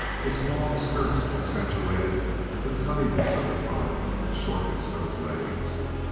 Its long skirts accentuated the tubbiness of his body, the shortness of his legs.